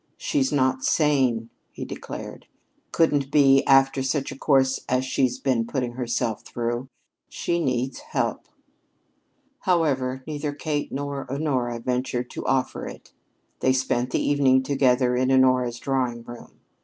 "She's not sane," he declared. "Couldn't be after such a course as she's been putting herself through. She needs help." However, neither Kate nor Honora ventured to offer it. They spent the evening together in Honora's drawing room.